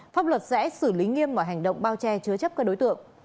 pháp luật sẽ xử lý nghiêm mọi hành động bao che chứa chấp các đối tượng